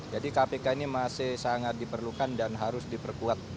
jadi kpk ini masih sangat diperlukan dan harus diperkuat